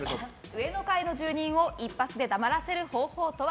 上の階の住人を一発で黙らせる方法とは？